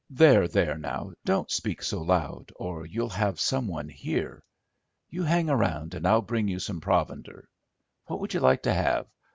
"There, there; now, don't speak so loud or you'll have some one here. You hang round and I'll bring you some provender. What would you like to have?